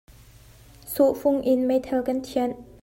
Sawhfung in meithal kan thianh.